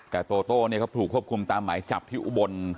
แต่โตโต้เนี่ยเขาถูกควบคุมตามหมายจับที่อุบล